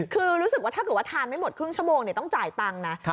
คือรู้สึกว่าถ้าเกิดว่าทานไม่หมดครึ่งชั่วโมงต้องจ่ายตังค์นะ